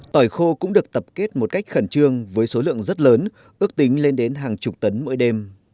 tỏi khô cũng được tập kết một cách khẩn trương với số lượng rất lớn ước tính lên đến hàng chục tấn mỗi đêm